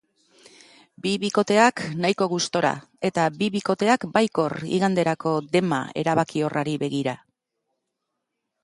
Bi bikoteak nahiko gustora eta bi bikoteak baikor igandeko dema erabakiorrari begira.